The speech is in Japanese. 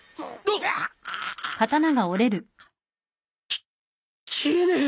き斬れねえ